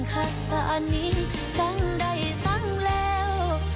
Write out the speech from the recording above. และถ้าอันนี้สังใดสังแล้ว